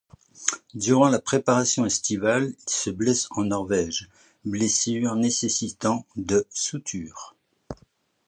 Durant la préparation estivale, il se blesse en Norvège, blessure nécessitant de souture.